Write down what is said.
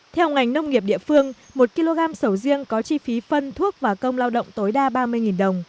theo ngành nông nghiệp địa phương một kg sầu riêng có chi phí phân thuốc và công lao động tối đa ba mươi đồng